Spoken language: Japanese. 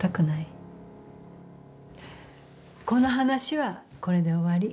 この話はこれで終わり。